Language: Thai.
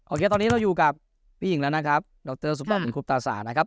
โอเคตอนนี้เราอยู่กับพี่หญิงแล้วนะครับด็อกเตอร์สุปนีคุปตาสานะครับ